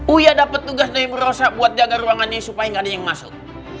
uya dapet tugas dari bu rosa buat jaga ruangannya supaya gak ada yang masuk